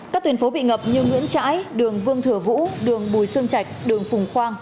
các tuyến phố bị ngập như nguyễn trãi đường vương thừa vũ đường bùi sương trạch đường phùng khoang